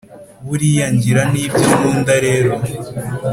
buriya ngira n’ibyo nkunda rero!